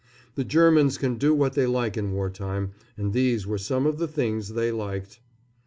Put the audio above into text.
The Germans can do what they like in wartime, and these were some of the things they liked.